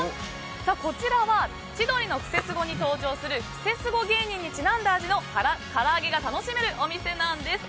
こちらは「千鳥のクセスゴ！」に登場するクセスゴ芸人にちなんだ味のからあげが楽しめるお店なんです。